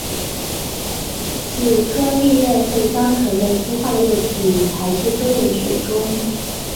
此科蜊类会将壳内孵化的幼体排至周围水中。